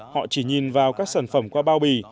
họ chỉ nhìn vào các sản phẩm qua bao bì